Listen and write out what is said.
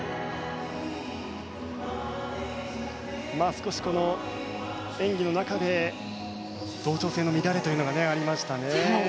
少し演技の中で同調性の乱れというのがありましたね。